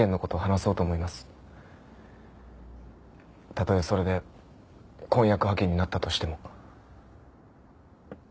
たとえそれで婚約破棄になったとしても。